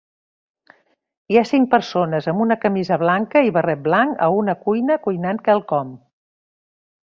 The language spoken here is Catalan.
Hi ha cinc persones amb camisa blanca i barret blanc a una cuina cuinant quelcom.